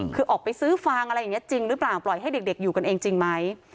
คือออกไปซื้อฟางอะไรอย่างนี้จริงหรือเปล่าปล่อยให้เด็กอยู่กันเองจริงไหม